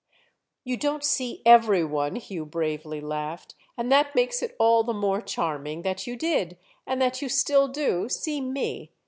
"You don't see every one," Hugh bravely laughed, "and that makes it all the more charming that you did, and that you still do, see me.